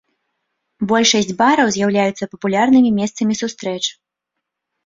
Большасць бараў з'яўляюцца папулярнымі месцамі сустрэч.